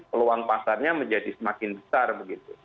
peluang pasarnya menjadi semakin besar begitu